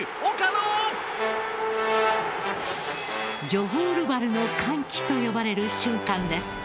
ジョホールバルの歓喜と呼ばれる瞬間です。